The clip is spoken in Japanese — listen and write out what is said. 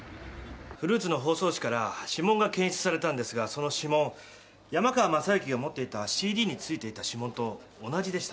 フルーツの包装紙から指紋が検出されたんですがその指紋山川雅行が持っていたＣＤに付いていた指紋と同じでした。